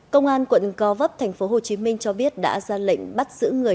công an quận co vấp tp hcm cho biết đã ra lệnh bắt giữ người